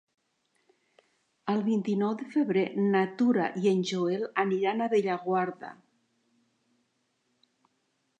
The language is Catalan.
El vint-i-nou de febrer na Tura i en Joel aniran a Bellaguarda.